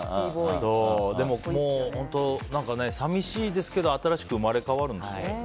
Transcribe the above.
でも、本当寂しいですけど新しく生まれ変わるんですね。